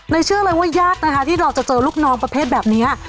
เชื่อเลยว่ายากนะคะที่เราจะเจอลูกน้องประเภทแบบนี้